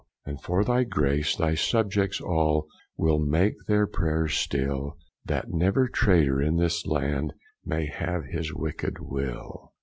And for thy Grace thy subjects all Will make their praiers still, That never traitor in this land May have his wicked will.